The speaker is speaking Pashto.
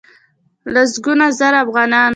لسګونه زره انسانان .